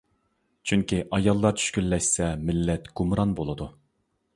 چۈنكى ئاياللار چۈشكۈنلەشسە مىللەت گۇمران بولىدۇ.